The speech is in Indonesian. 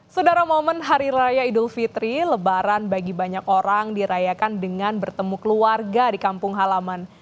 sudara momen hari raya idul fitri lebaran bagi banyak orang dirayakan dengan bertemu keluarga di kampung halaman